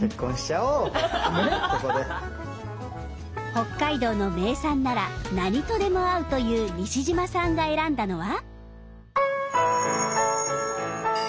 北海道の名産なら何とでも合うという西島さんが選んだのは？